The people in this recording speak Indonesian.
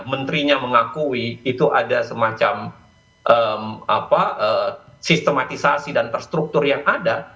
menterinya mengakui itu ada semacam sistematisasi dan terstruktur yang ada